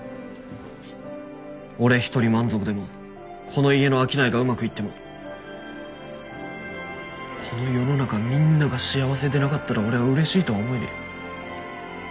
俺一人満足でもこの家の商いがうまくいってもこの世の中みんなが幸せでなかったら俺はうれしいとは思えねえ。